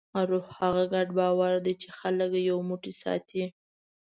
روح هغه ګډ باور دی، چې خلک یو موټی ساتي.